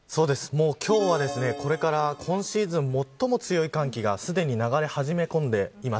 今日はこれから今シーズン最も強い寒気がすでに流れはじめ込んでいます。